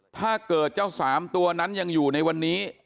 ถ้าเกิดเจ้าสามตัวนั้นยังอยู่ในวันนี้